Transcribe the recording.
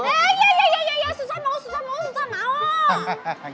iya iya iya iya susan mau susan mau susan mau